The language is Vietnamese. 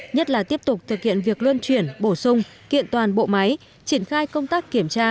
nhất là tiếp tục thực hiện việc luân chuyển bổ sung kiện toàn bộ máy triển khai công tác kiểm tra